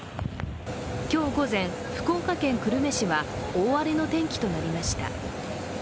今日午前、福岡県久留米市は大荒れの天気となりました。